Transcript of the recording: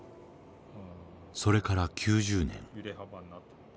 それから９０年。